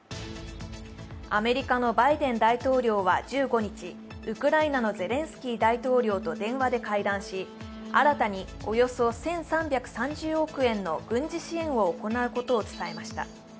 アメリカのバイデン大統領は１５日、ウクライナのゼレンスキー大統領と電話で会談し新たに、およそ１３３０億円の軍事支援を行うことを伝えました。